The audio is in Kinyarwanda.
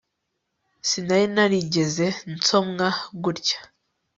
Sinari narigeze nsomwa gutya